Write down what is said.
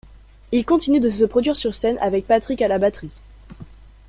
Il continue de se produire sur scène avec Patrick à la batterie.